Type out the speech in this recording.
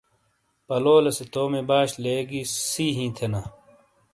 پلولے سے تومی باش لیگی سی ھی تھے نا